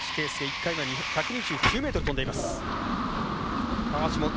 １回目は１２９ｍ飛んでいます。